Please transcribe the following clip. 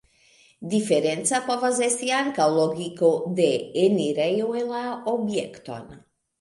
Diferenca povas esti ankaŭ lokigo de enirejo en la objekton.